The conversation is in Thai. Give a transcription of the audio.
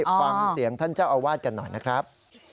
ฟังเสียงท่านเจ้าอาวาสกันหน่อยนะครับ